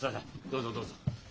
どうぞどうぞ。